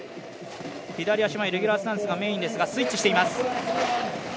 左足前、レギュラースタンスがメインですがスイッチしています。